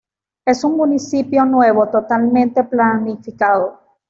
Es un municipio nuevo, totalmente planificado.